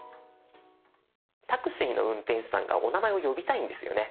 タクシーの運転手さんがお名前を呼びたいんですよね。